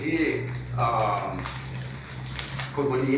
กว่าเงินเงิน๓๕๐๐บาท